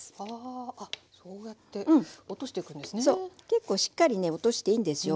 結構しっかりね落としていいんですよ。